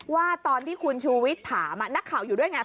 ว่าตอนที่คุณชูวิทย์ถามนักข่าวอยู่ด้วยไง